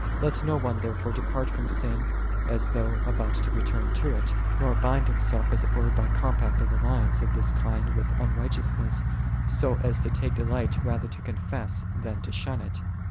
2 Let no one therefore depart from sin as though about to return to it, nor bind himself as it were by compact of alliance of this kind with unrighteousness, so as to take delight rather to confess it than to shun it.